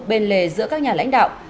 bên lề giữa các nhà lãnh đạo